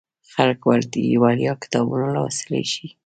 خلک وړیا کتابونه لوستلی شي.